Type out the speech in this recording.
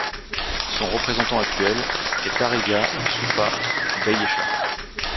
Son représentant actuel est Arega Sufa Beyecha.